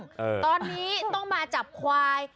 ตอนนี้ต้องมาจับควาย